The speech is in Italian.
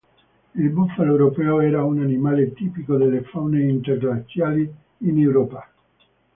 Il bufalo europeo era un animale tipico delle faune interglaciali in Europa.